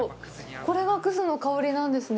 これが、葛の香りなんですね。